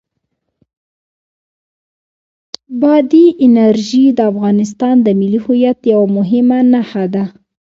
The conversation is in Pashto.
بادي انرژي د افغانستان د ملي هویت یوه مهمه نښه ده.